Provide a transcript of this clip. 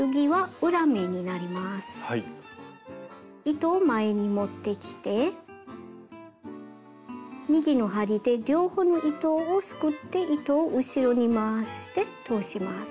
糸を前に持ってきて右の針で両方の糸をすくって糸を後ろに回して通します。